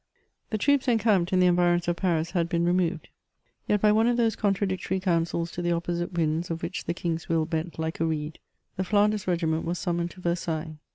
The troops encamped in the environs of Paris had been re moved ; yet by one of those contradictory councils to the oppo* site winds of which the king's will bent like a reed, the Flanders regiment was summoned to Versailles.